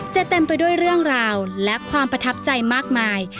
เต็มไปด้วยเรื่องราวและความประทับใจมากมาย